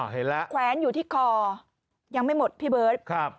เห็นแล้วแขวนอยู่ที่คอยังไม่หมดพี่เบิร์ต